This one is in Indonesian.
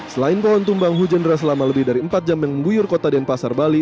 selain pohon tumbang hujendra selama lebih dari empat jam yang membuyur kota dan pasar bali